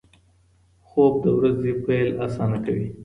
خوب د ورځې پیل اسانه کوي.